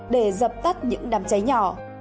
để dập tắt những đám cháy nhỏ